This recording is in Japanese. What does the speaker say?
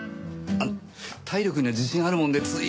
あの体力には自信あるものでつい。